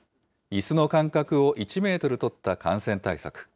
いすの間隔を１メートル取った感染対策。